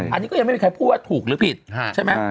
อันนี้ก็ยังไม่มีใครพูดว่าถูกหรือผิดใช่ไหม